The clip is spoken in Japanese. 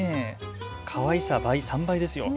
かわいさ３倍ですよ。